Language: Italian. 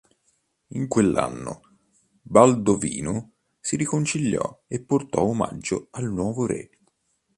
In quell'anno, Baldovino si riconciliò e portò omaggio al nuovo re.